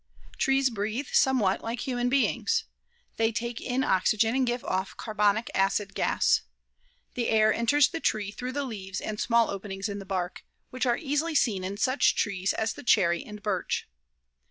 Trees breathe somewhat like human beings. They take in oxygen and give off carbonic acid gas. The air enters the tree through the leaves and small openings in the bark, which are easily seen in such trees as the cherry and birch.